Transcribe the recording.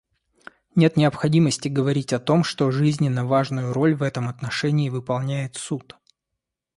Нет необходимости говорить о том, что жизненно важную роль в этом отношении выполняет Суд.